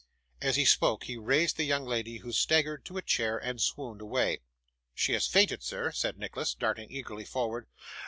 As he spoke, he raised the young lady, who staggered to a chair and swooned away. 'She has fainted, sir,' said Nicholas, darting eagerly forward.